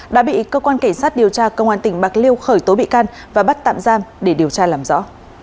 đã bị cơ quan cảnh sát điều tra công an tỉnh bạc liêu khởi tố bị can và bắt tạm giam để điều tra làm rõ